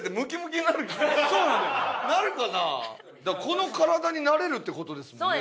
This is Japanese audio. この体になれるって事ですもんね